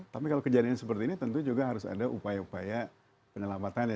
tapi kalau kejadian seperti ini tentu juga harus ada upaya upaya penyelamatannya